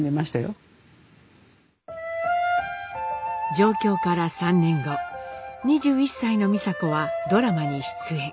上京から３年後２１歳の美佐子はドラマに出演。